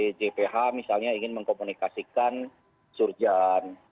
di jph misalnya ingin mengkomunikasikan surjan